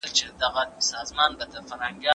خپلې تجربې په عمل کې تکرار کړئ.